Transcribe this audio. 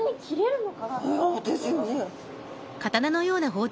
そうですよね。